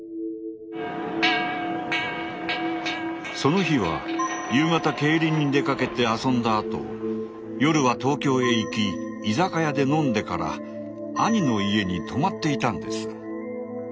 その日は夕方競輪に出かけて遊んだあと夜は東京へ行き居酒屋で飲んでから兄の家に泊まっていたんです。